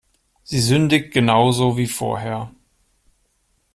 Sie sündigt genau so wie vorher.